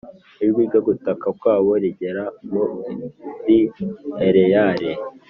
Ijwi ryo gutaka kwabo rigera muri Eleyale